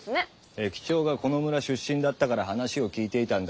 駅長がこの村出身だったから話を聞いていたんだ。